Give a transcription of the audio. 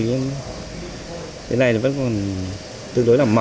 thế này vẫn còn tương đối mở